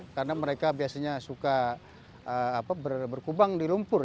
karena mereka biasanya suka berkubang di lumpur